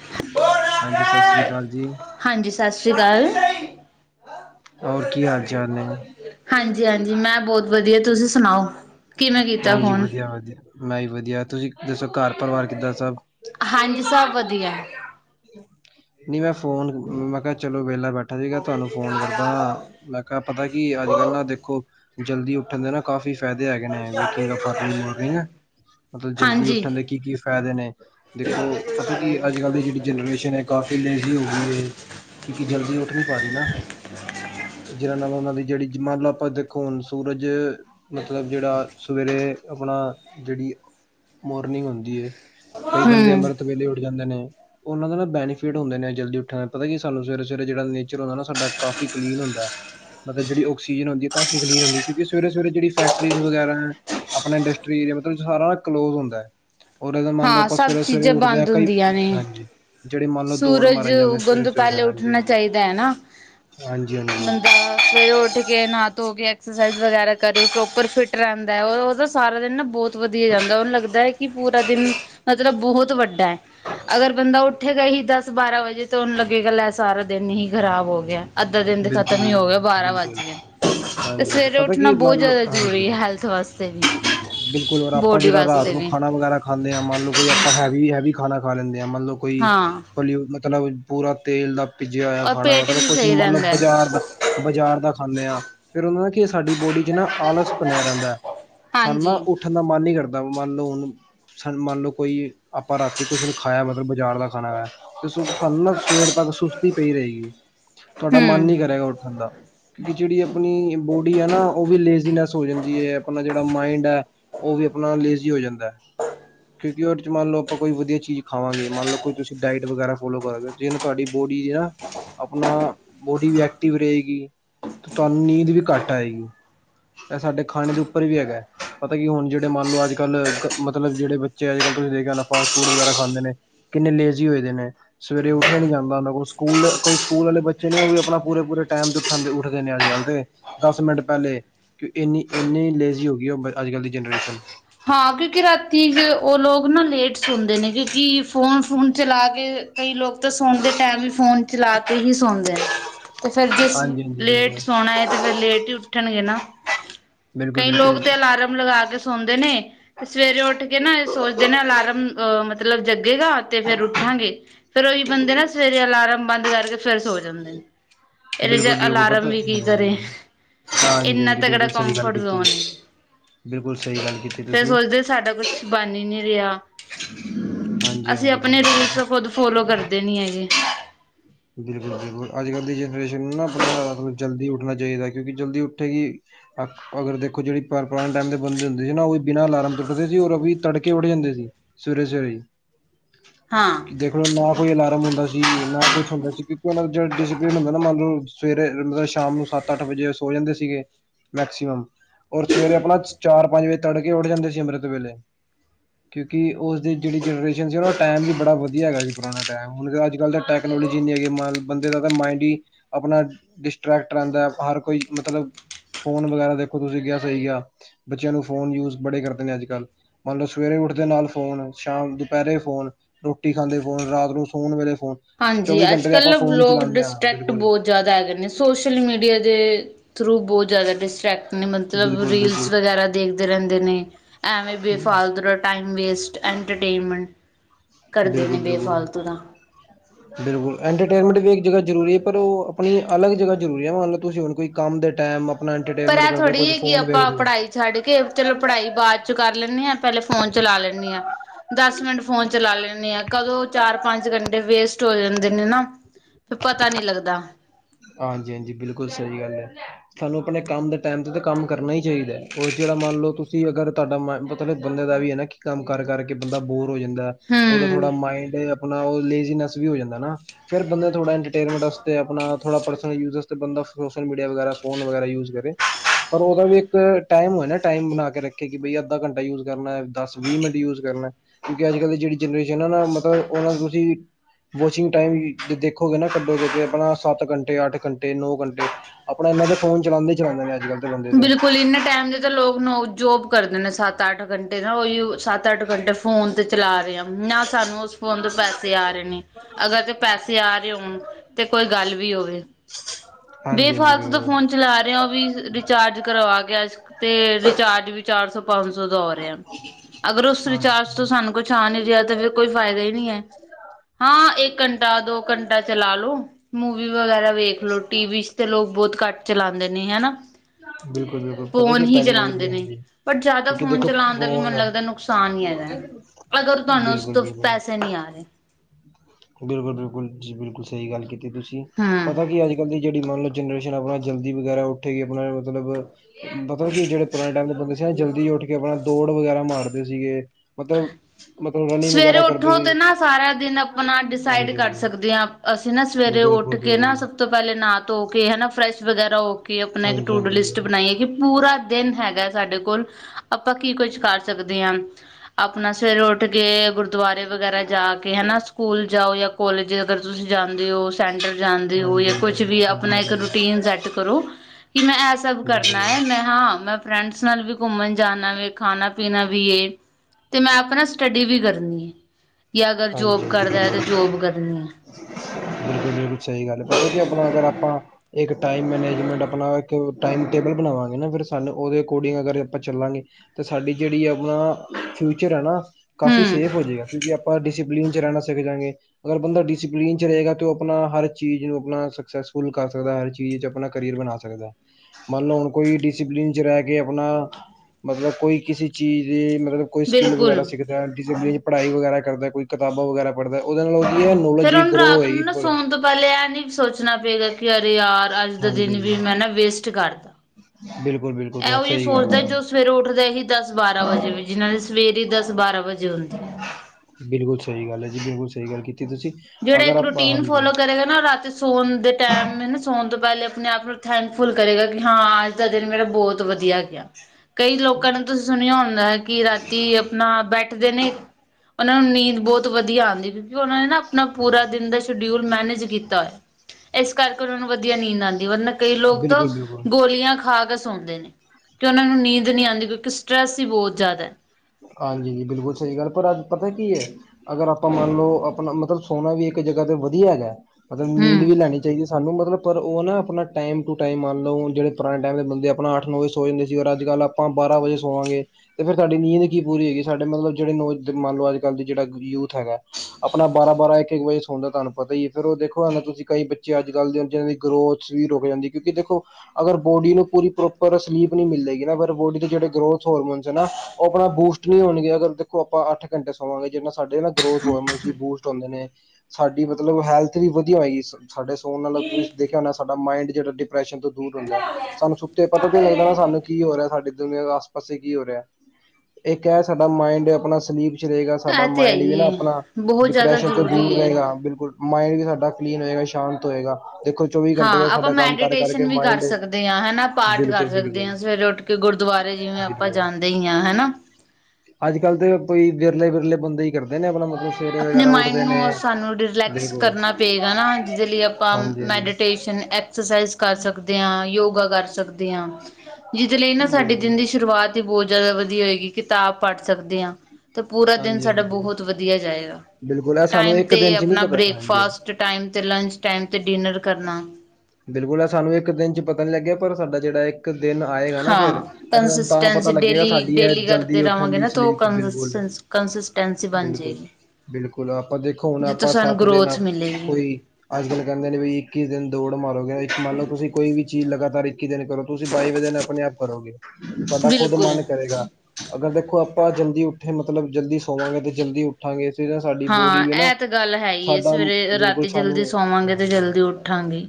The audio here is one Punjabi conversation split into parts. [unintelligible] ਹਾਂਜੀ, ਸਸ ਸ਼੍ਰੀ ਕਾਲ ਜੀ। ਹਾਂਜੀ, ਸਸ ਸ਼੍ਰੀ ਕਾਲ। ਔਰ ਕੀ ਹਾਲ ਚਾਲ ਨੇ? ਹਾਂਜੀ-ਹਾਂਜੀ, ਮੈਂ ਬੋਤ ਵਧੀਆ। ਤੁਸੀਂ ਸੁਣਾਓ? ਕਿਵੇਂ ਕੀਤਾ ਹਾਂਜੀ, ਫੋਨ ਵਧੀਆ-ਵਧੀਆ, ਮੈਂ ਵੀ ਵਧੀਆ। ਤੁਸੀਂ ਦੱਸੋ ਘਰ ਪਰਿਵਾਰ ਕਿੱਦਾਂ ਸਭ? ਹਾਂਜੀ ਸਭ ਵਧੀਆ। ਨੀ ਮੈਂ ਫੋਨ, ਮੈਂ ਕਾ ਚਲੋ ਵੇਲਾ ਬੈਠਾ ਸੀਗਾ ਤਾਨੂੰ ਫੋਨ ਕਰ ਦਾਂ। ਮੈਂ ਕਾ ਪਤਾ ਕੀ ਅੱਜ ਕੱਲ ਨਾ ਦੇਖੋ। ਜਲਦੀ ਉੱਠਨ ਦੇ ਨਾ ਕਾਫੀ ਫੇਦੇ ਹੈਗੇ ਨੇ। Waking up early morning. ਮਤਲਬ ਜਲਦੀ ਹਾਂਜੀ ਉੱਠਨ ਦੇ ਕੀ-ਕੀ ਫੇਦੇ ਨੇ, ਦੇਖੋ ਪਤਾ ਕੀ ਅੱਜ ਕੱਲ ਦੀ ਜੇੜੀ ਜਨਰੇਸ਼ਨ ਐ ਕਾਫ਼ੀ ਲੇਜ਼ੀ ਹੋ ਗਈ ਏ। ਕਿਉਂਕਿ ਜਲਦੀ ਉੱਠ ਨੀ ਪਾ ਰੀ ਨਾ। ਜਿਨਾਂ ਨਾਲ ਉਨਾਂ ਦੀ ਜੇੜੀ ਜ ਮਾਲ ਆਪਾਂ ਦੇਖੋ ਹੁਨ ਸੂਰਜ ਮਤਲਬ ਜੇੜਾ ਸਵੇਰੇ ਆਪਣਾ ਜੇੜੀ ਮੋਰਨਿੰਗ ਹੁੰਦੀ ਏ। ਕਈ ਬੰਦੇ ਹੂੰ ਅੰਮ੍ਰਿਤ ਵੇਲੇ ਉੱਠ ਜਾਂਦੇ ਨੇ, ਓਨਾਂ ਦਾ ਨਾ ਬੈਨੀਫਿ ਫਿਟ ਹੁੰਦੇ ਨੇ ਜਲਦੀ ਉੱਠਨ। ਪਤਾ ਕਿ ਸਾਨੂੰ ਸਵੇਰੇ-ਸਵੇਰੇ ਜੇੜਾ ਨੇਚਰ ਹੁੰਦਾ ਨਾ ਸਾਡਾ ਕਾਫੀ ਕਲੀਨ ਹੁੰਦੈ। ਮਤਲ ਜੇੜੀ ਆਕਸੀਜਨ ਹੁੰਦੀ ਕਾਫੀ ਕਲੀਨ ਹੁੰਦੀ ਕਿਉੰਕਿ ਸਵੇਰੇ-ਸਵੇਰੇ ਜੇੜੀ ਫੈਕਰੀਜ਼ ਵਗੈਰਾ ਆਪਨਾ ਇੰਡਸਟਰੀ ਐਰੀਆ ਮਤਲਬ ਸਾਰਾ ਕਲੋਜ ਹੁੰਦਾਏ। ਓਰ ਏਦਾ ਮੰਨ ਲੋ ਹਾਂ ਆਪਾਂ ਸਭ ਸਵੇਰੇ-ਸਵੇਰੇ ਚੀਜ਼ਾਂ ਉੱਠਦੇ ਆ ਬੰਦ ਕਈ, ਹੁੰਦੀਆਂ ਨੇ ਹਾਂਜੀ ਜੇੜੇ ਮਾ ਸੂਰਜ ਉੱਗਨ ਤੋਂ ਪਹਿਲੇ ਉੱਠਨਾ ਚਾਈਦੈ ਨਾ। ਹਾਂਜੀ-ਹਨ ਬੰਦਾ, ਸਵੇਰੇ ਉੱਠ ਕੇ ਨਾ ਧੋ ਕੇ ਐਕਸਰਸਾਈਜ਼ ਵਗੈਰਾ ਕਰੇ ਪ੍ਰੋਪਰ ਫਿਟ ਰੈਂਦਾ ਓਰ ਓ ਤਾਂ ਸਾਰਾ ਦਿਨ ਨਾ ਬੋਤ ਵਧੀਆ ਜਾਂਦਾ ਓਨੂੰ ਲੱਗਦਾ ਹੈ ਕੀ ਪੂਰਾ ਦਿਨ ਮਤਲਬ ਬੋਹਤ ਵੱਡਾ ਐ ਅਗਰ ਬੰਦਾ ਉਠ ਏ ਹੀ ਦਸ ਬਾਰਾਂ ਵਜੇ ਤੁਹਾਨੂੰ ਲੱਗੇਗਾ ਲੈ ਸਾਰਾ ਦਿਨ ਹੀ ਖਰਾਬ ਹੋ ਗਿਆ। ਅੱਧਾ ਦਿਨ ਤੇ ਬਿਲਕੁਲ ਖਤਮ ਹੀ ਹੋ ਗਿਆ ਬਿਲਕੁਲ ਬਾਰਾਂ ਵੱਜ ਬਿਲਕੁਲ ਗਏ। ਤੇ ਹਾਂਜੀ ਸਵੇਰੇ ਪਤਾ ਉੱਠਣਾ ਕੀ ਬਹੁਤ ਮੰਨ ਲਓ ਜ਼ਿਆਦਾ ਹਾਂਜੀ ਜ਼ਰੂਰੀ ਹੈ ਹੈਲਥ ਵਾਸਤੇ ਵੀ ਬਿਲਕੁਲ ਔਰ ਆਪਾਂ ਬੋਡੀ ਜਿਹੜਾ ਰਾਤ ਵਾਸਤੇ ਨੂੰ ਵੀ ਖਾਣਾ ਵਗੈਰਾ ਖਾਣੇ ਹਾਂ ਮੰਨਲਓ ਕੋਈ ਆਪਾਂ ਹੈਵੀ ਹੈਵੀ ਖਾਣਾ ਖਾ ਲੈਣੇ ਹਾਂ ਮਤਲਬ ਕੋਈ ਹਾਂ ਮਤਲਬ ਪੂਰਾ ਤੇਲ ਦਾ ਭੀਜਿਆ ਹੋਇਆ ਔਰ ਖਾਣਾ ਪੇਟ ਮਤਲਬ ਵੀ ਕੁਛ ਨ ਸਹੀ ਮਤਲਬ ਰਹਿੰਦਾ ਹੈ ਬਾਜ਼ਾਰ ਦਾ ਖਾਣੇ ਹਾਂ ਫੇਰ ਉਹਨਾਂ ਕਿ ਸਾਡੀ ਬੋਡੀ ਚ ਨਾ ਆਲਸ ਬਨਿਆ ਰਹਿੰਦਾ ਹੈ। ਸਾਨੂੰ ਨਾ ਹਾਂਜੀ ਉੱਠਣ ਦਾ ਮਨ ਹੀ ਕਰਦਾ ਮੰਨ ਲਓ ਹੁਣ ਸਨ ਮੰਨ ਲਓ ਕੋਈ ਆਪਾਂ ਰਾਤੀ ਕੁਛ ਨ ਖਾਇਆ ਮਤਲਬ ਬਾਜ਼ਾਰ ਦਾ ਖਾਣਾ ਖਾਇਆ ਤੇ ਸਾਨੂੰ ਨਾ ਸਵੇਰ ਤੱਕ ਸੁਸਤੀ ਪਈ ਰਹੇਗੀ ਤੁਹਾਡਾ ਮਨ ਹਮ ਨੀ ਕਰੇਗਾ ਉੱਠਣ ਦਾ ਤੇ ਜਿਹੜੀ ਆਪਣੀ ਬੋਡੀ ਆ ਨਾ ਉਹ ਵੀ ਲੇਜ਼ੀਨੈਸ ਹੋ ਜਾਂਦੀ ਹੈ ਆਪਣਾ ਜਿਹੜਾ ਮਾਈੰਡ ਹੈ ਉਹ ਵੀ ਆਪਣਾ ਲੇਜ਼ੀ ਹੋ ਜਾਂਦਾ। ਕਿਉਂਕਿ ਉਹਦੇ ਚ ਮੰਨ ਲਓ ਆਪਾਂ ਕੋਈ ਵਧੀਆ ਚੀ ਖਾਵਾਗੇ ਮੰਨ ਲਓ ਕੋਈ ਤੁਸੀਂ ਡਾਇਟ ਵਗੈਰਾ ਫੋਲੋ ਕਰੋਗੇ ਜਿਹਨੂੰ ਤੁਹਾਡੀ ਬੋਡੀ ਦੀ ਨਾ ਆਪਣਾ ਬੋਡੀ ਵੀ ਐਕਟਿਵ ਰਹੇਗੀ ਤੇ ਤੁਹਾਨੂੰ ਨੀਂਦ ਵੀ ਘੱਟ ਆਏਗੀ। ਇਹ ਸਾਡੇ ਖਾਣੇ ਦੇ ਉੱਪਰ ਵੀ ਹੈਗਾ ਹੈ ਪਤਾ ਕੀ ਹੁਣ ਜਿਹੜੇ ਮੰਨ ਲਓ ਅੱਜ ਕੱਲ੍ਹ ਮਤਲਬ ਜਿਹੜੇ ਬਚੇ ਅੱਜ ਕੱਲ ਤੁਸੀਂ ਦੇਖਿਆ ਫਾਸਟ ਫੂਡ ਵਗੈਰਾ ਖਾਂਦੇ ਨੇ ਕਿੰਨੇ ਲੇਜ਼ੀ ਹੋਏ ਦੇ ਨੇ ਸਵੇਰੇ ਉੱਠਿਆ ਨੀ ਜਾਂਦਾ ਉਹਨਾ ਕੋਲ ਸਕੂਲ ਕੋਈ ਸਕੂਲ ਵਾਲੇ ਬੱਚੇ ਨੇ ਉਹ ਵੀ ਆਪਣਾ ਪੂਰੇ ਪੂਰੇ ਟਾਈਮ ਤੇ ਉਠ ਉੱਠਦੇ ਨੇ ਅਜ ਕਲ ਦੇ ਦਸ ਮਿੰਟ ਪਹਿਲੇ। ਕਿ ਇੰਨੀ, ਇੰਨੀ ਲੇਜ਼ੀ ਹੋ ਗਈ ਅੱਜ ਕੱਲ ਦੀ ਜਨਰੇਸ਼ਨ। ਹਾਂ ਕਿਉਂਕਿ ਰਾਤੀ ਉਹ ਲੋਕ ਨਾ ਲੇਟ ਸੋਦੇ ਨੇ ਕਿਉਂਕਿ ਫੋਨ ਚਲਾ ਕੇ ਕਈ ਲੋਕ ਤਾਂ ਸੁਣਦੇ ਟੈਮ ਹੀ ਫੋਨ ਚਲਾ ਕੇ ਹੀ ਸੁਣਦੇ ਹੈ। ਤੇ ਫੇਰ ਜੇ ਹਾਂਜੀ ਹਾਂਜੀ ਬਿਲਕੁਲ ਲੇਟ ਸੋਣਾ ਹੈ ਤਾਂ ਫਿਰ ਲੇਟ ਹੀ ਉੱਠਣਗੇ ਨਾ। ਬਿਲਕੁਲ ਕਈ ਜੀ ਲੋਕ ਬਿਲਕੁਲ। ਅਲਾਰਮ ਲਗਾ ਕੇ ਸੌਦੇ ਨੇ ਤੇ ਸਵੇਰੇ ਉੱਠ ਕੇ ਨਾ ਸੋਚਦੇ ਨੇ ਅਲਾਰਮ ਅਹ ਮਤਲਬ ਜੱਗੇਗਾ ਤੇ ਫੇਰ ਉੱਠਾਂਗੇ। ਫੇਰ ਉਹੀ ਬੰਦੇ ਨਾ ਸਵੇਰੇ ਅਲਾਰਮ ਬੰਦ ਕਰਕੇ ਫੇਰ ਸੋ ਜਾਂਦੇ ਨੇ। ਇਹਦੇ ਚ ਬਿਲਕੁਲ ਬਿਲਕੁਲ ਅਲਾਰਮ ਪਤਾ ਵੀ ਕੀ ਕਰੇ। ਹਾਂਜੀ ਹਾਂਜੀ ਇਨਾ ਹਾਂਜੀ ਤਗੜਾ ਬਿਲਕੁਲ ਸਹੀ ਗੱਲ ਕੰਫਰਟ ਕੀਤੀ ਜ਼ੋਨ ਏ। ਬਿਲਕੁਲ ਸਹੀ ਗੱਲ ਕੀਤੀ। ਫੇਰ ਤੁਸੀਂ ਸੋਚਦੇ ਸਾਡਾ ਕੁਛ ਬਣ ਹੀ ਨਹੀਂ ਰਿਹਾ ਹਾਂਜੀ ਅਸੀਂ ਹਾਂਜੀ ਆਪਣੇ ਰੂਲਸ ਬਿਲਕੁਲ ਦਾ ਖੁਦ ਫੋਲੋ ਕਰਦੇ ਨਹੀਂ ਹੈਗੇ। ਬਿਲਕੁਲ, ਬਿਲਕੁਲ ਅੱਜ ਕੱਲ ਦੀ ਜਨਰੇਸ਼ਨ ਨੂੰ ਨਾ ਆਪਣਾ ਜਲਦੀ ਉੱਠਣਾ ਚਾਹੀਦਾ ਕਿਉਂਕਿ ਜਲਦੀ ਉੱਠੇਗੀ ਅਗਰ ਦੇਖੋ ਜਿਹੜੇ ਪੁਰਾਣੇ ਟਾਈਮ ਦੇ ਬੰਦੇ ਹੁੰਦੇ ਸੀ ਨਾ ਉਹ ਬਿਨਾਂ ਅਲਾਰਮ ਉੱਠਦੇ ਸੀ ਔਰ ਬੀ ਤੜਕੇ ਉੱਠ ਜਾਂਦੇ ਸੀ ਸਵੇਰੇ ਸਵੇਰੇ ਹੀ ਹਾਂ। ਦੇਖ ਲਓ ਨਾ ਕੋਈ ਅਲਾਰਮ ਹੁੰਦਾ ਸੀ ਨਾ ਕੁਛ ਹੁੰਦਾ ਸੀ ਕਿਉਂਕਿ ਉਹ ਜਿਹੜਾ ਡਿਸਿਪਲਨ ਹੁੰਦਾ ਨਾ ਮੰਨ ਲਓ ਸਵੇਰੇ ਮਤਲਬ ਸ਼ਾਮ ਨੂੰ ਸੱਤ ਅੱਠ ਵਜੇ ਸੋ ਜਾਂਦੇ ਸੀਗੇ। ਮੈਕਸੀਮਮ ਔਰ ਸਵੇਰੇ ਆਪਣਾ ਚਾਰ ਪੰਜ ਵਜੇ ਤੜਕੇ ਉੱਠ ਜਾਂਦੇ ਸੀ ਅੰਮ੍ਰਿਤ ਵੇਲੇ। [unintelligible] ਕਿਉਂਕਿ ਉਸਦੇ ਜਿਹੜੀ ਜਨਰੇਸ਼ਨ ਸੀ ਉਹ ਨਾ ਟਾਈਮ ਵਧਿਆ ਹੈਗਾ ਜੀ ਪੁਰਾਣਾ ਟਾਈਮ ਹੁਣ ਅੱਜ ਕੱਲ੍ਹ ਤਾਂ ਟੈਕਨੋਲੋਜੀ ਜਿੰਨੀਆਂ ਕਿ ਮ ਬੰਦੇ ਦਾ ਤਾਂ ਮਾਇਂਡ ਹੀ ਆਪਣਾ ਡਿਸਟਰ੍ਰੈਕਟ ਰਹਿੰਦਾ ਹਰ ਕੋਈ ਮਤਲਬ ਫ਼ੋਨ ਵਗੈਰਾ ਦੇਖੋ ਤੁਸੀਂ ਕਿਹਾ ਸਹੀ ਗਿਆ। ਬੱਚਿਆਂ ਨੂੰ ਫੋਨ ਯੂਜ ਬੜੇ ਕਰਦੇ ਨੇ ਅੱਜ ਕੱਲ ਮੰਨ ਲਓ ਸਵੇਰੇ ਉੱਠਦੇ ਨਾਲ ਫੋਨ ਸ਼ਾਮ ਦੁਪਹਿਰੇ ਫੋਨ ਰੋਟੀ ਖਾਂਦੇ ਫੋਨ ਰਾਤ ਨੂੰ ਸੋਣ ਵੇਲੇ ਫੋਨ ਹਾਂਜੀ ਚੌਵੀ ਅੱਜ ਘੰਟੇ ਕੱਲ ਆਪਾਂ ਫੋਨ ਹੀ ਲੋਕ ਚਲਾਉਂਦੇ ਹਾਂ ਡਿਸਟਰੈਕਟ ਬਿਲਕੁਲ ਬਹੁਤ ਜ਼ਿਆਦਾ ਹੈਗੇ ਨੇ। ਸੋਸ਼ਲ ਮੀਡੀਆ ਦੇ ਥਰੂ ਬਹੁਤ ਜ਼ਿਆਦਾ ਡਿਸਟਰ੍ਰੈਕਟ ਮਤਲਬ ਬਿਲਕੁਲ ਬਿਲਕੁਲ ਰੀਲਸ ਵਗੈਰਾ ਦੇਖਦੇ ਰਹਿੰਦੇ ਨੇ ਐਵੇਂ ਬੇਫਾਲਤੁ ਟਾਈਮ ਵੇਸਟ ਐਂਟਰਟੇਨਮੈਂਟ ਕਰਦੇ ਨੇ ਬੇਫਾਲਤੂ ਦਾ ਬਿਲਕੁਲਟੇਨਮੈਂਟ ਵੀ ਇੱਕ ਜਗ੍ਹਾ ਜ਼ਰੂਰੀ ਹੈ ਪਰ ਉਹ ਆਪਣੀ ਅਲਗ ਜਗਾ ਜ਼ਰੂਰੀ ਹੈ ਮੰਨ ਤੁਸੀਂ ਹੁਣਕੋਈ ਕੰਮ ਦੇ ਟਾਈਮ ਆਪਣਾ ਪਰ ਏਟਰਟੇਰਮਟ ਇਹ ਕਰਦੇ ਕੁ ਥੋੜ੍ਹੀ ਹੈ ਕਿ ਫੋਨ ਆਪਾਂ ਵੇਖਦੇ ਹੋ। ਪੜ੍ਹਾਈ ਛੱਡ ਕੇ ਚਲੋ ਪੜ੍ਹਾਈ ਬਾਅਦ ਚ ਕਰ ਲੈਂਦੀ ਹਾਂ ਪਹਿਲੇ ਫੋਨ ਚਲਾ ਲੈਂਦੀ ਹਾਂ। ਦਸ ਮਿੰਟ ਫੋਨ ਚਲਾ ਲੈਂਦੇ ਆ ਕਦੋਂ ਚਾਰ ਪੰਜ ਘੰਟੇ ਵੇਸਟ ਹੋ ਜਾਂਦੇ ਨੇ ਨਾ। ਪਤਾ ਨਹੀਂ ਲੱਗਦਾ। ਹਾਂਜੀ। ਹਾਂਜੀ। ਬਿਲਕੁਲ। ਸਹੀ। ਗੱਲ। ਹੈ। ਸਾਨੂੰ। ਆਪਣੇ। ਕੰਮ। ਦੇ। ਟਾਈਮ। ਤੇ। ਤਾਂ। ਕੰਮ। ਕਰਨਾ। ਹੀ। ਚਾਹੀਦਾ। ਰ। ਜਿਹੜਾ। ਮੰਨ। ਲਓ। ਤੁਸੀਂ। ਅਗਰ। ਤੁਹਾਡਾ। ਮ। ਬੰਦੇ ਦਾ ਵੀ ਹੈ ਨਾ ਕੀ ਕੰਮ ਕਰ ਕਰਕੇ ਬੰਦਾ ਬੋਰ ਹੋ ਜਾਂਦਾ ਉਹਦਾ ਥੋੜਾ ਹੂੰ ਮਾਇੰਡ ਆਪਣਾ ਲੇਜ਼ੀਨੈਸ ਵੀ ਹੋ ਜਾਂਦਾ ਨਾ ਫੇਿਰ ਬੰਦਾ ਥੋੜਾ ਇੰਟਰਟੇਨਮੈਂਟ ਆਪਣਾ ਥੋੜਾ ਪਰਸਨਲ ਯਜ ਬੰਦਾ ਸੋਸ਼ਲ ਮੀਡੀਆ ਵਗੈ ਫੋ ਵਗੈ ਯੂਜ ਕਰੇ ਪਰ ਉਹਦਾ ਵੀ ਇੱਕ ਟਾਈਮ ਹੋਏ ਨਾ ਟਾਈਮ ਬਣਾ ਕੇ ਰੱਖੇ ਕਿ ਬਈ ਅੱਧਾ ਘੰਟਾ ਯੂਜ ਕਰਨਾ ਦਸ ਵੀਹ ਮਿੰਟ ਯੂਜ ਕਰਨਾ ਕਿਉਂਕਿ ਅੱਜ ਕੱਲ ਦੀ ਜਿਹੜੀ ਜਨਰੇਸ਼ਨ ਹੈ ਨਾ ਮਤਲਬ ਉਹ ਨੂੰ ਤੁਸੀਂ ਵਾਚਿੰਗ ਟਾਈਮ ਦੇਖੋਗੇ ਨਾ ਕੱਢੋਗੇ ਆਪਣਾ ਸੱਤ ਘੰਟੇ ਅੱਠ ਘੰਟੇ ਨੋ ਘੰਟੇ ਆਪਣਾ ਇਹਨਾ ਦੇ ਫੋ ਚਉਂਦੇ ਚਲਾਂਦੇ ਨੇ ਅੱਜ ਕੱਲ ਤਾਂ ਬੰਦੇ ਤੇ ਬਿਲਕੁਲ ਇੰਨੇ ਟਾਈਮ ਦੇ ਤਾਂ ਲੋਕ ਜੋਬ ਕਰਦੇ ਨੇ ਸੱਤ ਅੱਠ ਘੰਟੇ ਤਾਂ ਉਹਹੀ ਸੱਤ ਅੱਠ ਘੰਟ ਫੋਨ ਤੇ ਚਲਾ ਰਹੇ ਆ ਨਾ ਸਾਨੂੰ ਉਸ ਫੋਨ ਤੋਂ ਪੈਸੇ ਆ ਰਹੇ ਨੇ ਅਗਰ ਤੇ ਪੈਸੇ ਆ ਰਹੇ ਹੋਣ ਤੇ ਕੋਈ ਗੱਲ ਵੀ ਹੋਵੇ ਹਾਂਜੀ ਹਾਂਜੀ ਬੇਫਾਲਤ ਦਾ ਬਿਲਕੁਲ ਫੋਨ ਚਲਾ ਰਿਹਾ ਉਹ ਵੀ ਰਿਚਾਰਜ ਕਰਵਾ ਗਿਆ ਤੇ ਰਿਚਾਰਜ ਵੀ ਚਾਰ ਸੌ ਪੰਜ ਸੌ ਦਾ ਹੋ ਰਿ। ਅਗਰ ਉਸ ਹਾਂ ਵਿਚਾਰ ਤੋਂ ਸਾਨੂੰ ਕੋ ਛਾਂ ਨੀ ਰਿਹਾ ਤਾਂ ਫਿਰ ਕੋਈ ਫਾਇਦਾ ਹੀ ਨਹੀਂੀ ਹੈ। ਹਾਂ ਇੱਕ ਘੰਟਾ ਦੋ ਘੰਟਾ ਚਲਾ ਲੋ ਮੂਵੀ ਵਗੈਰਾ ਵੇਖ ਲੋ ਟੀਵੀ ਚ ਤੇ ਲੋਕ ਬਹੁਤ ਘੱਟ ਚਲਾਉਂਦੇ ਨੇ ਹਨਾ ਬਿਲਕੁਲ ਬਿਲਕੁਲ ਪਤਾ ਫੋਨ ਕੀ ਹੀ ਟੈਕਨੋਲੋਜੀ ਚਲਾਉਂਦੇ ਨੇ ਹਾਂਜੀ ਪਰ ਜ਼ਿਆਦਾ ਕਿਉਂਕਿ ਫੋਨ ਦੇਖੋ ਚਾਲਾਂ ਬਣ ਜ਼ ਜ਼ਦਾ ਵੀ ਮੈਨੂੰ ਫੋਨ ਲੱਗਦਾ ਨੁਕਸਾਨ ਹੀ ਹੈਗਾ ਅਗਰ ਤੁਹਾਨੂੰ ਉਸ ਬਿਲਕੁਲ ਤੋਂ ਪੈਸੇ ਨਹੀਂ ਆ ਰਹੇ ਬਿਲਕੁਲ ਬਿਲਕੁਲ ਜੀ ਬਿਲਕੁਲ ਸਹੀ ਗੱਲ ਕੀਤੀ ਤੁਸੀਂ ਹੂੰ। ਪਤਾ ਕੀ ਅੱਜ। ਅੱਜ ਕੱਲ ਦੀ ਜਹੜੀ ਮੰਨ ਲਓ ਜਨਰੇਸ਼ਨ ਆਪਣਾ ਜਲਦੀ ਵਗੈਰਾ ਉੱਠੇ ਕੇ ਆਪਣਾ ਮਤਲਬ। ਮਤਲਬ ਕਿ ਜਿਹੜੇ ਪੁਰਾਣੇ ਟਮ ਦੇ ਬੰਦੇ ਸੀ ਨਾ ਜਲਦੀ ਉੱਠ ਕੇ ਆਪਣਾ ਦੌੜ ਵਗੈਰਾ ਮਾਰਦੇ ਸੀਗੇ। ਮਤਲਬ ਮਤਲਬ ਰਨਿੰਗ ਸਵੇਰੇ ਵਗੈਰਾ ਕਰਦੇ ਉੱਠੋ ਸੀ ਤੇ ਨਾ ਸਾਰਾ ਦਿਨ ਆਪਣਾ ਡਿਸਾਈਡ ਕਰ ਹਾਂਜੀ-ਹਾਂਜੀ ਸਕਦੇ ਹਾਂ ਅਸੀਂ ਨਾ ਸਵੇਰੇ ਉੱਠ ਕੇ ਬਿਲਕੁਲ-ਬਿਲਕੁਲ ਨਾ ਤੋਂ ਪਹਿਲੇ ਨਾ ਧੋ ਕੇ ਹਨਾ ਫਰੈਸ਼ ਵਗੈਰਾ ਹੋ ਕੇ ਆਪਣਾ ਇੱਕ ਟੂਡੂ ਹਾਂਜੀ-ਹਾਂਜੀ ਲਿਸਟ ਬਣਾਈਏ ਕਿ ਪੂਰਾ ਦਿਨ ਹੈਗਾ ਸਾਡੇ ਕੋਲ ਆਪਾਂ ਕੀ ਕੁੱਝ ਕਰ ਸਕਦੇ ਹਾਂ ਆਪਣਾ ਸਵੇਰੇ ਉੱਠ ਕੇ ਗੁਰਦੁਆਰੇ ਵਗੈਰਾ ਜਾ ਕੇ ਹਨਾ ਸਕੂਲ ਜਾਓ ਜਾਂ। ਕੋਲੇਜ ਅਗਰ ਤੁਸੀਂ ਜਾਂਦੇ ਹੋ ਸੈਂਟਰ ਜਾਂਦੇ ਹੋ ਜਾਂ ਹਾਂਜੀ-ਹਾਂਜੀ ਕੁਛ ਵੀ ਆਪਣਾ ਇੱਕ ਬਿਲਕੁਲ-ਬਿਲਕੁਲ ਰੂਟੀਨ ਸੈੱਟ ਕਰੋ। ਕਿ ਮੈ ਇਹ ਸਭ ਹਾਂਜੀ ਕਰਨਾ ਹਾਂਜੀ ਹੈ ਮੈਂ ਹਾਂ ਮੈਂ ਫਰੈਂਡਸ ਨਾਲ ਵੀ ਘੁੰਮਣ ਜਾਣਾ ਵਵੇ ਖਾਣਾ ਪੀਣਾ ਵੀ ਹੈ ਅਤੇ ਮੈਂ ਆਪਣਾ ਸਟੱਡੀ ਵੀ ਕਰੀ ਆ ਜਾਂ ਅਗਰ ਜੋਬ ਕਰਦਾ ਹੈ ਤਾਂ ਜੋਬ ਕਰੀ ਹੈ। ਬਿਲਕੁਲ-ਬਿਲਕੁਲ ਸਹੀ ਗੱਲ ਆਪਣਾ ਅਗਰ ਆਪਾਂ ਇੱਕ ਟਾਈਮ ਮੈਨੇਜਮੈਂਟ ਆਪਣਾ ਇੱਕ ਟਾਈਮ ਟੇਬਲ ਬਣਾਵਾਂਗੇ ਨਾ ਫਿਰ ਸਾਨੂੰ ਉਹਦੇ ਅਕੋਰਡਿੰਗ ਅਗਰ ਆਪਾਂ ਚੱਲਾਂਗੇ ਅਤੇ ਸਾਡੀ ਜਿਹੜੀ ਆਪਣਾ ਫਿਊਚਰ ਹੈ ਨਾ ਕਾਫ਼ੀ ਹਮ ਸੇਫ ਹੋ ਜਾਏਗਾ ਕਿਉਂਕਿ ਆਪਾਂ ਡਿਸਿਪਲਿਨ ਚ ਰਹਿਣਾ ਸਕ ਜਾਂਗੇ ਅਗਰ ਬੰਦਾ ਡ। ਸਕਨ ਚ ਰਹੇਗਾ ਤੇ ਉਹ ਆਪਣਾ ਹਰ ਚੀਜ਼ ਨੂੰ ਆਪਣਾ ਸਕਸੈਸਫੁਲ ਕਰ ਸਕਦਾ ਹਰ ਚੀਜ਼ ਆਪਣਾ ਕਰੀਅਰ ਬਣਾ ਸਕਦਾ। ਮੰਨ ਲ ਹੁਣ ਕੋਈ ਡਿਸਪਲਿਨ ਚ ਰਹਿ ਕੇ ਆਪਣਾ ਮਤਲਬ ਕੋਈ ਕਿਸੇ ਚੀਜ਼ ਦੇ ਮਤਲਬ। ਕੋਈ ਸਕਿੱਲ ਬਿਲਕੁਲ ਵਗੈਰਾ ਸਿੱਖਦਾ ਡਿਸਪਲਿਨ 'ਚ ਪੜ੍ਹਾਈ ਵਗੈਰਾ ਕਰਦਾ ਕੋਈ ਕਿਤਾਾਂਗੈਰਾ ਪੜ੍ਹਦਾ ਉਹਦੇ ਨਾਲੋਂ ਉਹ ਕੀ ਹੈ ਨੌਲਜ। ਫੇਰ ਉਹਨੂੰ ਰਾਤ ਨੂੰ ਨਾ ਸੋਣ ਤੋਂ ਪਹਿਲੇ ਇਹ ਨੀ ਸੋਚਣਾ ਪਏਗਾ ਕਿ ਅਰੇ ਯਾਰ ਅੱਜ ਦਾ ਦਿਨ ਵੀ ਮੈਂ ਨਾ ਵੇਸਟ। ਟ ਕਰਦਾ ਬਿਲਕੁਲ-ਬਿਲਕੁਲ। ਇਹੋ ਜਿਹੀ ਸੋਚਦਾ ਜੋ ਸਵੇਰੇ ਉੱਠਦਾ ਹੀ ਦਸ ਬਾਰਾਂ ਵਜੇ ਵੀ ਜਿਹਨਾਂ ਨੇ ਸਵੇਰੇ ਹੀ ਦਸ ਬਾਰਾਂ ਵਜੇ ਹੁੰਦੀਆਂ। ਬਿਲਕੁਲ ਸਹੀ ਗੱਲ ਹੈ ਜੀ ਬਿਲਕੁਲ ਸਹੀ ਗੱਲ ਕੀਤੀ ਤੁਸੀਂ ਜਿਹੜਾ ਅਗਰ ਇੱਕ ਆਪਾਂ ਰੂਟੀਨ ਹਾਂਜੀ ਫੋਲੋ ਕਰੇਗਾ ਨਾ ਰਾਤੀ ਸੋਣ ਦੇ ਟਾਈਮ ਸੋਣ ਤੋਂ ਪਹਿਲੇ ਆਪਣੇ ਆਪ ਨੂੰ- ਥੈਂਕਫੁਲ ਕਰੇਗਾ ਕਿ ਹਾਂ, ਅੱਜ ਦਾ ਦਿਨ ਮੇਰਾ ਬਹੁਤ ਵਧੀਆ ਗਿਆ। ਕਈ ਲੋਕਾਂ ਨੂੰ ਤੁਸੀਂ ਸੁਣਿਆ ਹੁੰਦਾ ਹੈ ਕਿ ਰਾਤੀ ਆਪਣਾ ਬੈਠਦੇ ਨੇ ਉਹਨਾ ਨੂੰ ਨੀਂਦ ਬਹੁਤ ਵਧੀਆ ਆਉਂਦੀ ਕਿਉਂਕਿ ਉਹਨਾਂ ਨੇ ਨਾ ਆਪਣਾ ਪੂਰਾ ਦਿਨ ਦਾ ਸ਼ਡਿਊਲ ਮੈਨੇਜ ਕੀਤਾ। ਇਸ ਕਰਕੇ ਉਹਨਾਂ ਨੂੰ ਵਧੀਆ ਨੀਂਦ ਆਣਦੀ, ਵਰਨਾ ਕਈ ਲੋਕ ਤੋ, ਬਿਲਕੁਲ ਬਿਲਕੁਲ ਗੋਲੀਆਂ ਖਾਂ ਕੇ ਸੌਂਦੇ ਨੇ। ਤੇ ਉਹਨਾਂ ਨੂੰ ਨੀਂਦ ਨੀ ਆਣਦੀ ਕਿਉਂ ਉਸ ' [inaudible] ' ਹਾਂਜੀ, ਬਿਲਕੁਲ ਸਹੀ ਗੱਲ। ਪਰ, ਅੱਜ ਪਤਾ ਕੀ ਐ ਅਗਰ ਆਪਾਂ ਮੰਨ ਲੋ, ਆਪਣਾ ਮਤਲਬ ਸੋਨਾ ਵੀ ਇੱਕ ਜਗ੍ਹਾ ਤੇ ਵਧੀਆ ਹੈਗਾ, ਮਤਲਬ ਨੀਂਦ ਹਮ। ਵੀ ਲੈਣੀ ਚਾਹੀਦੀ ਸਾਨੂੰ ਮਤਲਬ ਪਰ ਉਹ ਨਾ ਆਪਣਾ ਟਾਈਮ-ਟੂ- ਟਾਈਮ ਮੰਨ ਲੋ, ਜਿਹੜੇ ਪੁਰਾਣੇ ਟਾਈਮ ਦੇ ਬੰਦੇ ਆਪਣਾ ਅੱਠ- ਨੌਂ ਵਜੇ ਸੌਂ ਜਾਂਦੇ ਸੀ, ਉਹ ਅੱਜ -ਕੱਲ੍ਹ ਆਪਾਂ ਬਾਰਾਂ ਵਜੇ ਸੋਵਾਂਗੇ। ਤੇ ਫਿਰ ਸਾਡੀ ਨੀਂਦ ਕੀ ਪੂਰੀ ਹੋਏਗੀ। ਸਾਡੇ ਮਤਲਬ ਜਿਹੜੇ ਨੌਜ ਦੇ ਮਨ ਲੋ, ਅੱਜ- ਕੱਲ੍ਹ ਜਿਹੜਾ ਯੂ -ਥ ਹੈਗਾ। ਆਪਣਾ ਬਾਰਾਂ-ਬਾਰਾਂ, ਇੱਕ-ਇੱਕ ਵਜੇ ਸੋਣਦਾ ਤਾਨੂੰ ਪਤਾ ਹੀ ਏ। ਫਿਰ ਔ ਦੇਖੋਂ ਆ ਨਾ ਤੁਸੀਂ, ਕਈ ਬੱਚੇ ਅੱਜ ਕੱਲ੍ਹ ਦੇ ਜਿਹਨਾਂ ਦੀ ਗਰੋਥ ਵੀ ਰੁਕ ਜਾਂਦੀ ਕਿਉਂਕਿ ਦੇਖੋਂ ਅਗਰ ਬੌਡੀ ਨੂੰ ਪੂਰੀ ਪ੍ਰੋਪਰ ਸਲੀਪ ਨਹੀਂ ਮਿਲੇ ਬੌਡੀ ਦੇ ਜਿਹੜੇ ਗਰੋਥ ਹੋਰਮੋਨਸ ਏ ਨਾ, ਉਹ ਆਪਣਾ ਬੂਸਟ ਨਹੀਂ ਹੋਣਗੇ ਅਗਰ ਦ ਆਪਾਂ ਅੱਠ ਘੰਟੇ ਸੋਵਾਂਗੇ, ਜਿੰਨਾਂ ਸਾਡੇ ਨਾ ਗਰੋਥ ਹੋਰਮੋਨਸ ਜੀ ਬੂਸਟ ਹੁੰਦੇ ਨੇ। ਸਾਡੀ ਮਤਲਬ ਹੈਲਥ ਵੀ ਵਧੀਆ ਹੋਏਗੀ। ਸ ਸਾਡੇ ਸੌਣ ਨਾਲ ' [unintelligible] ' ਦੇਖਿਆ ਹੌਣਾ ਸਾਡਾ ਮਾਈਡ ਜਿਹੜਾ ਡਿਪ੍ਰੈਸ਼ਨ ਤੋਂ ਦੂਰ ਰਹਿੰਦਾ। ਸਾਨੂੰ ਸੁੱਤੇ ਪਤਾ ਤੇ ਲੱਗਦਾ ਨਾ ਸਾਨੂੰ ਕਿ ਹੋ ਰਿਹਾ, ਸਾਡੀ ਦੁਨੀਆਂ ਦੇ ਆਸ-ਪਾਸੇ ਕਿ ਹੋ ਰਿਹਾ? ਇੱਕ ਹੈ ਸਾਡਾ, ਮਾਇੰਡ ਆਪਣਾ ਸਲੀਪ 'ਚ ਰਹੇਗਾ। ਸਾਡਾ ਇਹ ਤੇ ਹੈ ਮਾਇੰਡ ਵੀ ਹੀ ਨਾ ਹੈ, ਆਪਣਾ ਬਹੁਤ ਜ਼ਿਆਦਾ ਡਿਪਰੈਸ਼ਨ ਤੋਂ ਜ਼ਰੂਰੀ ਦੂਰ ਹੈ। ਰਹੇਗਾ, ਬਿਲਕੁਲ। ਮਾਇੰਡ ਸਾਡਾ ਕਲੀਨ ਹੋਏਗਾ, ਸ਼ਾਂਤ ਹੋਏਗਾ। ਦੇਖੋ ਚੌਵੀ ਘੰਟੇ ਹਾਂ, ਦਾ ਆਪਾਂ ਸਾਡਾ ਕੰਮ ਕਰ ਕਰਕੇ ਮੈਡੀਟੇਸ਼ਨ ਵੀ ਕਰ ਮਾਇੰਡ ਸਕਦੇ ਹਾਂ, ਹੈਨਾ। ਪਾਠ ਕਰ ਬਿਲਕੁਲ ਸਕਦੇ ਬਿਲਕੁਲ ਆ, ਸਵੇਰੇ ਉੱਠ ਕਿ ਗੁਰਦੁਆਰੇ ਜਿਵੇਂ ਆਪਾਂ ਬਿਲਕੁਲ ਜਾਂਦੇ ਹੀ ਆਂ, ਹੈਨਾ? ਅੱਜ- ਕੱਲ੍ਹ ਤੇ ਕੋਈ ਵਿਰਲੇ-ਵਿਰਲੇ ਬੰਦੇ ਹੀ ਕਰਦੇ ਨੇ। ਆਪਣਾ ਮਤਲਬ ਸਵੇਰੇ ਆਪਣੇ ਵਗੈਰਾ ਮਾਇੰਡ ਉੱਠਦੇ ਨੂੰ ਨੇ ਅ ਸਾਨੂੰ ਰਿਲੈਕਸ ਬਿਲਕੁਲ ਕਰਨਾ ਪਏਗਾ ਨਾ, ਜਿਹਦੇ ਲਈ ਆਪਾਂ ਹਾਂਜੀ ਹਾਂਜੀ ਮੈਡੀਟੇਸ਼ਨ ਐ ਐਕਸਰਸਾਈਜ਼ ਕਰ ਸਕਦੇ ਆਂ, ਯੋਗਾ ਕਰ ਸਕਦੇ ਆਂ। ਜਿਹਦੇ ਲਈ ਨਾ, ਸਾਡੇ ਬਿਲਕੁਲ ਦਿਨ ਦੀ ਸ਼ੁਰੂਆਤ ਹੀ ਬਹੁਤ ਜ਼ਿਆਦਾ ਵਧੀਆ ਹੋਏਗੀ। ਕਿਤਾਬ ਪੜ੍ਹ ਸਕਦੇ ਆਂ। ਤੇ ਪੂਰਾ ਦਿਨ ਹਾਂਜੀ ਸਾਡਾ ਹਾਂਜੀ ਬਹੁਤ ਵਧੀਆ ਜਾਏਗਾ। ਬਿਲਕੁਲ ਇਹ ਸਾਨੂੰ ਟਾਈਮ ਇੱਕ 'ਤੇ ਦਿਨ ਚ ਨਹੀਂ ਆਪਣਾ ਪਤਾ ਹਾਂਜੀ ਬ੍ਰੇਕਫਾਸਟ ਤੇ ਟਾਈਮ 'ਤੇ ਲੰਚ, ਟਾਈਮ 'ਤੇ ਡਿਨਰ ਕਰਨਾ। ਬਿਲਕੁਲ ਹੈ। ਸਾਨੂੰ ਇੱਕ ਦਿਨ 'ਚ ਪਤਾ ਨੀ ਲੱਗਿਆ ਪਰ ਸਾਡਾ ਜਿਹੜਾ ਐ ਇੱਕ ਦਿਨ ਆਏਗਾ ਨਾ ਫਿਰ। ਹਾਂ ਇੱਕ ਦਿਨ ਤਾਂ ਪਤਾ ਕੰਸਿਸਟੈਂਸੀ ਲੱਗੇਗਾ, ਡੇਲੀ ਸਾਡੀ ਐ ਡੇਲੀ ਜ਼ਲਦੀ ਕਰਦੇ ਉੱਠਣ ਰਵਾਂਗੇ ਦੀ ਨਾ ਤਾਂ ਉਹ ਸਲੀਪ ਬਿਲਕੁਲ ਕੰਸਿਸਟੈਂਸ ਕੰਸਿਸਟੈਂਸੀ ਬਣ ਬਿਲਕੁਲ। ਜਾਏਗੀ ਬਿਲਕੁਲ, ਆਪਾਂ ਦੇਖੋਂ ਹੁਣ ਜਿੱਥੋਂ ਆਪਾਂ ਸਾਨੂੰ ਸੱਤ ਦਿਨ ਗਰੋਥ ਮਿਲੇਗੀ ਕੋਈ ਅੱਜ -ਕੱਲ ਕਹਿੰਦੇ ਨੇ ਵੀ -ਇੱਕੀ ਦਿਨ ਦੌੜ ਮਾਰੋਗੇ। ਇੱਕ ਮੰਨ ਲੋ ਤੁਸੀਂ ਕੋਈ ਵੀ ਚੀਜ਼ ਲਗਾਤਾਰ ਇੱਕੀ ਦਿਨ ਕਰੋ ਤੁਸੀਂ ' [unintelligible] ' ਆਪਣੇ ਆਪ ਕਰੋਗੇ। ਥੋਡਾ ਖ਼ੁਦ ਬਿਲਕੁਲ ਮਨ ਕਰੇਗਾ। ਅਗਰ ਦੇਖੋਂ ਆਪਾਂ ਜਲਦੀ ਉੱਠੇ, ਮਤਲਬ ਜਲਦੀ ਸੌਵਾਂਗੇ ਤੇ ਜਲਦੀ ਉੱਠਾਂਗੇ ਤੇ ਸਾਡੀ ਬੌਡੀ ਹਾਂ ਵੀ ਨਾ ਇਹ ਤਾਂ ਗੱਲ ਹੈ ਹੀ ਏ। ਸਾਡਾ ਸਵੇਰੇ ਬਿਲ ਰਾਤੀ ਜਲਦੀ ਸਾਨੂੰ, ਸੋਵਾਂਗੇ ਤੇ ਹਾਂਜੀ। ਜਲਦੀ ਉੱਠਾਂਗੇ।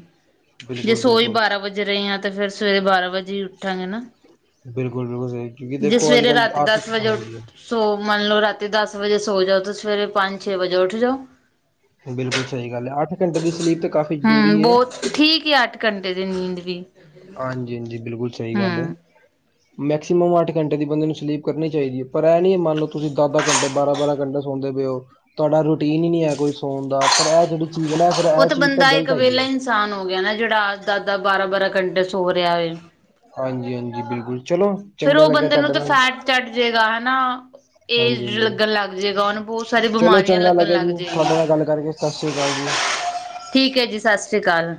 ਜੇ ਸੌਂ ਹੀ ਬਾਰਾਂ ਵਜੇ ਰਹੇ ਆਂ, ਤੇ ਫਿਰ ਸਵੇਰੇ ਬਾਰਾਂ ਵਜੇ ਹੀ ਉੱਠਾਂਗੇ ਨਾ। ਬਿਲਕੁਲ-ਬਿਲਕੁਲ ਸਹੀ। ਕਿਉਂਕਿ ਜੇ ਦੇਖੋਂ ਅੱਜ- ਸਵੇਰੇ ਕੱਲ੍ਹ' ਰਾਤੀ ਅੱਠ, ਦਸ ਵਜੇ ਉਠ ਹਾਂਜੀ। ਸੋ, ਮੰਨ ਲੋ ਰਾਤੀ ਦਸ ਵਜੇ ਸੌਂ ਜਾਓ ਤੇ ਸਵੇਰੇ ਪੰਜ-ਛੇ ਵਜੇ ਉੱਠ ਜੋ। ਬਿਲਕੁਲ ਸਹੀ ਗੱਲ ਐ। ਅੱਠ ਘੰਟੇ ਦੀ ਸਲੀਪ ਤਾਂ ਕਾਫ਼ੀ ਜ਼ਰੂਰੀ ਹਮ ਏ। ਬਹੁਤ ਠੀਕ ਆਂ, ਅੱਠ ਘੰਟੇ ਦੀ ਨੀਂਦ ਵੀ। ਹਾਂਜੀ-ਹਾਂਜੀ, ਬਿਲਕੁਲ ਸਹੀ ਗੱਲ ਏ। ਹਮ ਮੈਕਸੀਮੰਮ ਅੱਠ ਘੰਟੇ ਦੀ ਬੰਦੇ ਨੂੰ ਸਲੀਪ ਕਰਨੀ ਚਾਹੀਦੀ ਹੈ। ਪਰ ਇਹ ਨਹੀਂ ਐ, ਮੰਨ ਲਓ ਤੁਸੀਂ ਦਸ-ਦਸ ਘੰਟੇ, ਬਾਰਾਂ-ਬਾਰਾਂ ਘੰਟੇ ਸੌਂਦੇ ਪਏ ਓ। ਤੁਹਾਡਾ ਰੁ ਰੁਟੀਨ ਹੀ ਨੀ ਐ ਕੋਈ ਸੌਣ ਦਾ। ਪਰ ਐ, ਜਿਹੜੀ ਚੀਜ਼ ਹੈ ਨਾ ਫਿਰ ਉਹ ਐ ਚੀਜ਼ ਤਾਂ ਬੰਦਾ ਇੱਕ ਗਲਤ ਹੈਗੀ ਵੇਲਾ ਏ। ਇਨਸਾਨ ਹੋ ਗਿਆ ਨਾ, ਜਿਹੜਾਅੱਠ -ਦੱਸ, ਬਾਰਾਂ- ਬਾਰਾਂ ਘੰਟੇ ਸੋਂ ਰਿਹਾ ਏ। ਹਾਂਜੀ-ਹਾਂਜੀ, ਬਿਲਕੁਲ। ਚਲੋ ਫਿਰ ਚੰਗਾ ਓ ਲੱਗਿਆ ਬੰਦੇ ਨੂੰ ਤੁਹਾਡੇ ਤੇ ਫੈਟ ਚੜ੍ਹ ਜੇਗਾ ਹੈਨਾ। ਹਾਂਜੀ-ਹਾਂਜੀ। ਸਾਰੀ ਚਲੋ, ਬਿਮਾਰੀਆਂ ਚੰਗਾ ਲੱਗਣ ਲੱਗਿਆ ਜੀ, ਲੱਗ ਜੇਗੀਆਂ ਤੁਹਾਡੇ ਨਾਲ ਗੱਲ ਕਰਕੇ। ਸਤਿ ਸ਼੍ਰੀ ਅਕਾਲ ਜੀ।' ' [inaudible] ਠੀਕ ਹੈ ਜੀ, ਸਤਿ ਸ਼੍ਰੀ ਅਕਾਲ।